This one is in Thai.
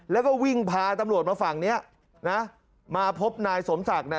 แล้วก็วิ่งพาตำรวจมาฝั่งเนี้ยนะมาพบนายสมศักดิ์